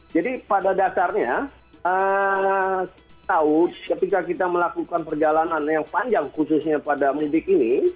jadi pada dasarnya ketika kita melakukan perjalanan yang panjang khususnya pada mudik ini